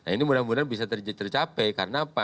ini mudah mudahan bisa tercapai karena apa